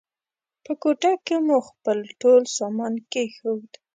په کوټه کې مو خپل ټول سامان کېښود.